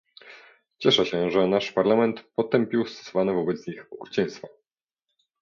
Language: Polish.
Cieszę się, że nasz Parlament potępił stosowane wobec nich okrucieństwa